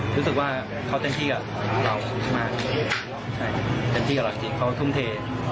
รู้สึกว่าเขาเต้นที่กับเรามากเต้นที่กับเราจริงเขาทุ่มเท